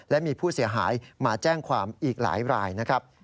และมีผู้เสียหายมาแจ้งความอีกหลายรายนะครับ